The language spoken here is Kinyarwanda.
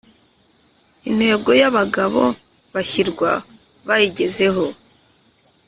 intego y'abagabo bashyirwa bayigezeho,